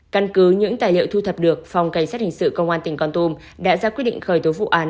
căn cứ những tài liệu thu thập được phòng cảnh sát hình sự công an tỉnh con tum đã ra quyết định khởi tố vụ án